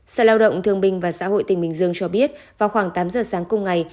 sở lao động thương binh và xã hội tỉnh bình dương cho biết vào khoảng tám giờ sáng cùng ngày